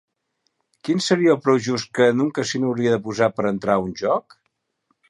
Quin seria el preu just que un casino hauria de posar per entrar a un joc?